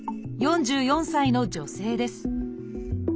４４歳の女性です。